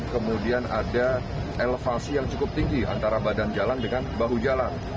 kemudian ada elevasi yang cukup tinggi antara badan jalan dengan bahu jalan